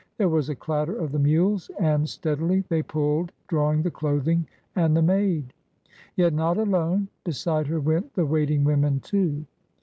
There was a clatter of the mules, and steadily they pulled, drawing the clothing and the maid, — yet not alone; beside her went the waiting women too.